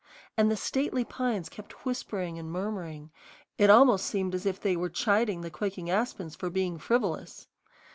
And the stately pines kept whispering and murmuring; it almost seemed as if they were chiding the quaking aspens for being frivolous.